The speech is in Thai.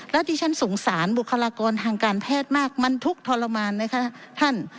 และดิฉันสงสารบุคลากรทางการแพทย์มากมันทุกข์ทรมาน